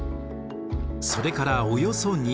それからおよそ